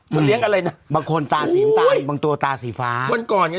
มันเลี้ยงอะไรนะบางคนตาสีน้ำตาลบางตัวตาสีฟ้าวันก่อนไง